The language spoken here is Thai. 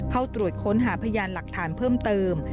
เข้าตรวจค้นหาพยานหลักฐานเพิ่มเติม